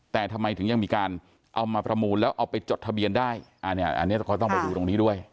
แต่ทำไมถึงยังมีการเอามาประมูลแล้วเอาไปจดทะเบียนได้อันนี้ก็ต้องไปดูตรงนี้ด้วย